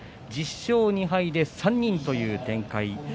１０勝２敗で３人という展開。